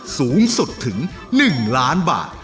สูงสุดถึง๑ล้านบาท